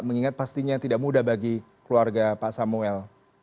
mengingat pastinya tidak mudah bagi keluarga pak samuel